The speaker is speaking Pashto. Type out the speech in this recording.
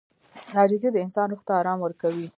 • عاجزي د انسان روح ته آرام ورکوي.